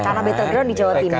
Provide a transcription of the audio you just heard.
karena battleground di jawa timur